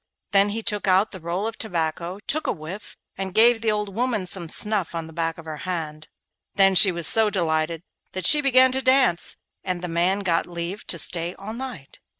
Then he took out the roll of tobacco, took a whiff, and gave the old woman some snuff on the back of her hand. Then she was so delighted that she began to dance, and the man got leave to stay all night.